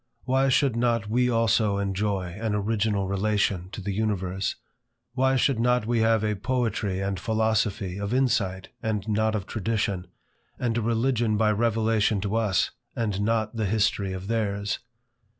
Why should not we also enjoy an original relation to the universe? Why should not we have a poetry and philosophy of insight and not of tradition, and a religion by revelation to us, and not the history of theirs?